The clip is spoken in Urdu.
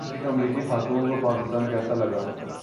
ایک امریکی خاتون کو پاکستان کیسا لگا